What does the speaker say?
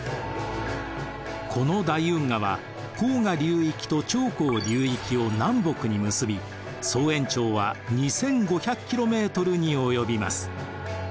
この大運河は黄河流域と長江流域を南北に結び総延長は２，５００ｋｍに及びます。